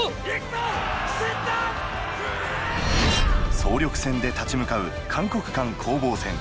総力戦で立ち向かう函谷関攻防戦。